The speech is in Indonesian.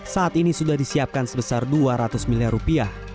saat ini sudah disiapkan sebesar dua ratus miliar rupiah